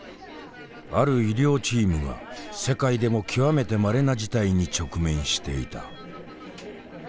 ある医療チームが世界でも極めてまれな事態に直面していた。